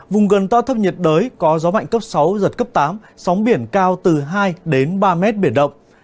vùng gần to át thấp nhiệt đới có gió mạnh cấp sáu giật cấp tám sóng biển cao từ hai đến ba mét biển động